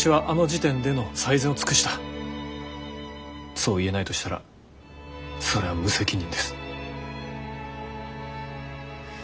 そう言えないとしたらそれは無責任です。